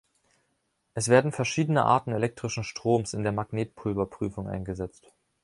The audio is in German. Es werden verschiedene Arten elektrischen Stroms in der Magnetpulverprüfung eingesetzt.